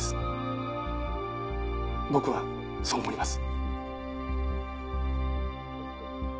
僕はそう思います。